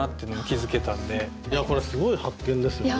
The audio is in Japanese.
いやこれすごい発見ですよね。